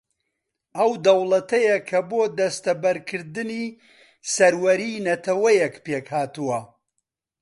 ئەو دەوڵەتەیە کە بۆ دەستەبەرکردنی سەروەریی نەتەوەیەک پێک ھاتووە